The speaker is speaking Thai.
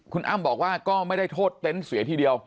คุณอ้ำบอกว่าก็ไม่ได้โทษเต็นต์เสียทีเดียว